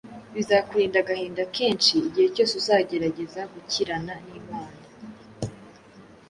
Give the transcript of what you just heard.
bizakurinda agahinda kenshi igihe cyose uzagerageza gukirana n’Imana,